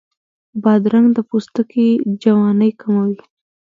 بادرنګ د پوستکي جوانۍ کموي.